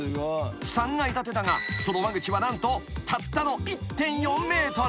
［３階建てだがその間口は何とたったの１．４ｍ］